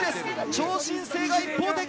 超新星が一方的！